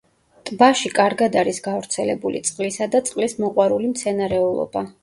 ტბაში კარგად არის გავრცელებული წყლისა და წყლის მოყვარული მცენარეულობა.